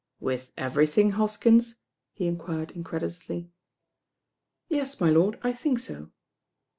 "With everything, Hoskins?" he enquired in credulously. "Yes, my lord, I think so."